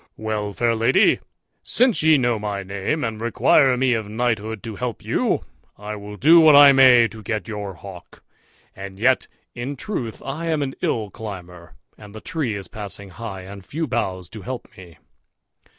"Well, fair lady, since ye know my name, and require me of knighthood to help you, I will do what I may to get your hawk; and yet in truth I am an ill climber, and the tree is passing high, and few boughs to help me."